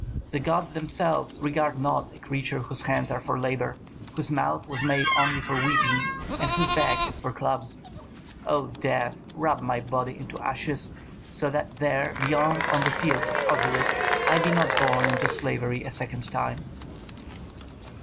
The gods themselves regard not a creature whose hands are for labor, whose mouth was made only for weeping, and whose back is for clubs. O death, rub my body into ashes, so that there, beyond on the fields of Osiris, I be not born into slavery a second time."